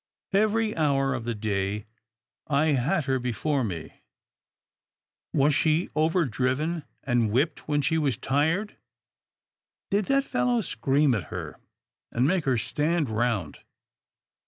" Every hour of the day I 36 'TILDA JANE'S ORPHANS had her before me — was she over driven and whipped when she was tired? Did that fellow scream at her, and make her stand round